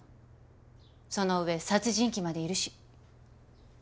その上殺人鬼までいるし。